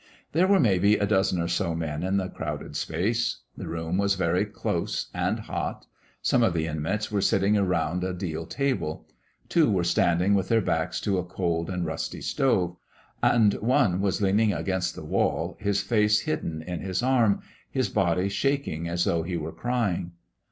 There were maybe a dozen or so men in the crowded space. The room was very close and hot. Some of the inmates were sitting around a deal table; two were standing with their backs to a cold and rusty stove, and one was leaning against the wall, his face hidden in his arm, his body shaking as though he were crying.